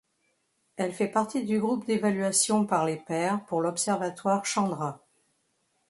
Elle fait partie du groupe d'évaluation par les pairs pour l'observatoire Chandra.